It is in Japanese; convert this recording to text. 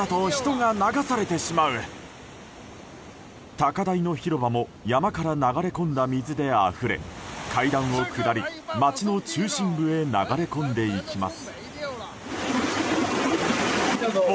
高台の広場も山から流れ込んだ水であふれ階段を下り、街の中心部へ流れ込んでいきます。